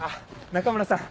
中村さん